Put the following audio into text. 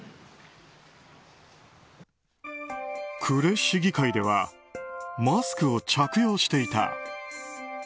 呉市議会ではマスクを着用していた。